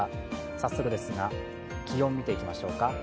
早速ですが、気温を見ていきましょうか。